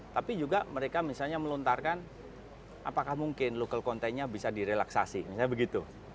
tapi juga mereka misalnya melontarkan apakah mungkin local contentnya bisa direlaksasi misalnya begitu